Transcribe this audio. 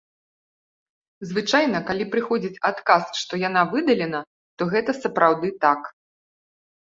Звычайна, калі прыходзіць адказ, што яна выдалена, то гэта сапраўды так.